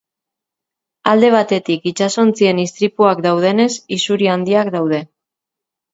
Alde batetik itsasontzien istripuak daudenez isuri handiak daude.